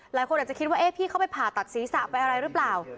หลายคนอาจจะคิดว่าพี่เขาไปผ่าตัดศีรษะไปอะไรหรือเปล่า